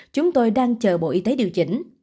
chúng tôi đang chờ bộ y tế điều chỉnh